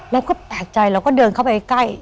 แล้วก็แปลกใจแล้วก็เดินเข้าไปใกล้